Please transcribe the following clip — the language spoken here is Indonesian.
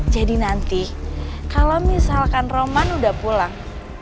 jadi nanti kalo misalkan roman udah pulang